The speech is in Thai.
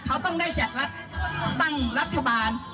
เขาต้องได้จัดตั้งรัฐบาล